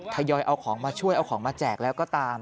ทยอยเอาของมาช่วยเอาของมาแจกแล้วก็ตาม